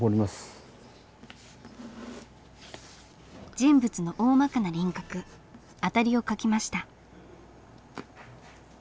人物のおおまかな輪郭アタリを描きました。